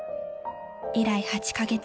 ［以来８カ月